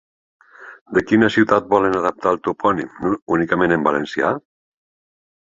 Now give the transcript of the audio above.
De quina ciutat volen adaptar el topònim únicament en valencià?